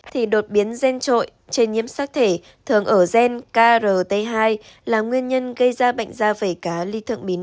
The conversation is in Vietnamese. thì đột biến gen trội trên nhiễm sắc thể thường ở gen krt hai là nguyên nhân gây ra bệnh da vẩy cá ly thượng bìn